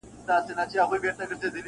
د آدب لمرجهاني دی,